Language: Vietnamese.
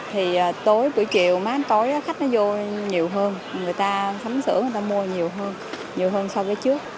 thì tối buổi chiều mát tối khách nó vô nhiều hơn người ta sắm sửa người ta mua nhiều hơn nhiều hơn so với trước